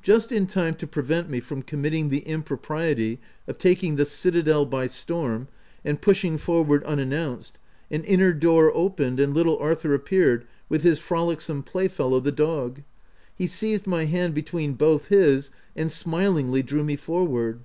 Just in time to prevent me from committing the impropriety of taking the citadel by storm, and pushing forward unannounced, an inner door opened, and little Arthur appeared with his frolicsome playfellow the dog. He seized my hand between both his, and smilingly drew me forward.